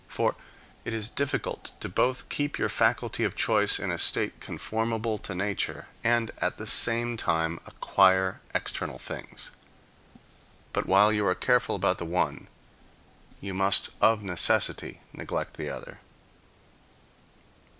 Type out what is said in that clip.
For, it is difficult to both keep your faculty of choice in a state conformable to nature, and at the same time acquire external things. But while you are careful about the one, you must of necessity neglect the other.